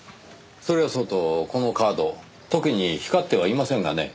それはそうとこのカード特に光ってはいませんがね。